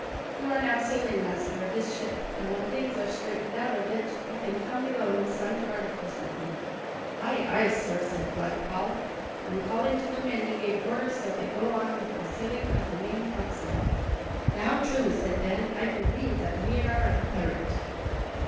"You are now sailing master of this ship; and when things are straightened out a bit you can come below and sign articles with me." "Ay, ay, sir," said Black Paul, and calling to the men he gave orders that they go on with the setting of the main topsail. "Now, truly," said Ben, "I believe that ye're a pirate."